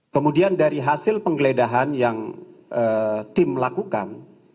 kemudian dari hasil penggeledahan yang tim lakukan